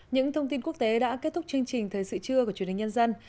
những thông tin quốc tế đã kết thúc chương trình thời sự trưa của chủ đề nhân dân